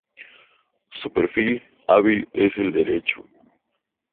Su perfil hábil es el derecho.